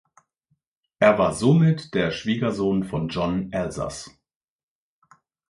Er war somit der Schwiegersohn von John Elsas.